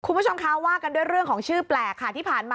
คุณผู้ชมคะว่ากันด้วยเรื่องของชื่อแปลกค่ะที่ผ่านมา